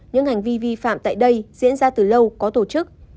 những hành vi vi phạm tại đây diễn ra từ lâu có tổ chức